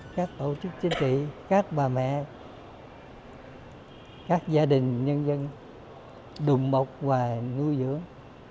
các tổ chức chính trị các bà mẹ các gia đình nhân dân đùm bọc và nuôi dưỡng